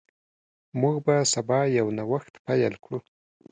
موږ به سبا یو نوښت پیل کړو.